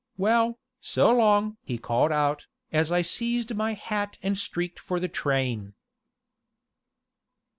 Well, so long!" he called out, as I seized my hat and streaked for the train.